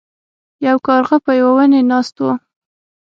یو کارغه په یو ونې ناست و.